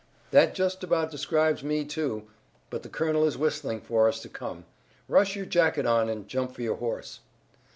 "That just about describes me, too, but the colonel is whistling for us to come. Rush your jacket on and jump for your horse."